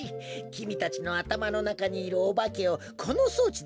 きみたちのあたまのなかにいるおばけをこのそうちできゅいっとすいとるのだ。